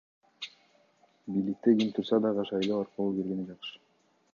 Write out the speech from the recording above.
Бийликте ким турса дагы, шайлоо аркылуу келгени жакшы.